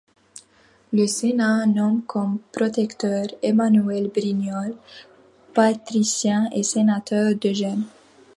Le Sénat nomme comme protecteur, Emmanuel Brignole, patricien et sénateur de Gênes.